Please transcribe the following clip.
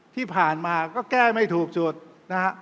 ที่ผ่านมาก็แก้ไม่ถูกสุดนะฮะ